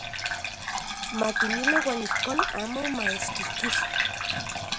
Makimilo uan ijkon amo maeskijkisa.